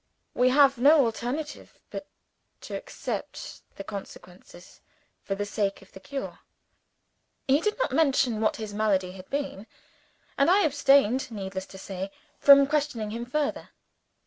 We have no alternative but to accept the consequences for the sake of the cure." He did not mention what his malady had been; and I abstained, it is needless to say, from questioning him further.